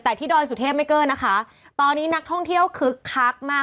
แต่ที่ดอยสุเทพไม่เกินนะคะตอนนี้นักท่องเที่ยวคึกคักมาก